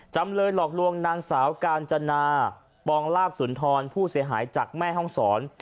จำเลยหลอกลวงนางสาวกาญจนาปองลาบสุนทรผู้เสียหายจากแม่ห้องศร